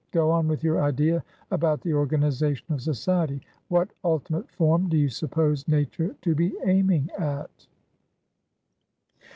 Go on with your idea about the organisation of society. What ultimate form do you suppose nature to be aiming at?"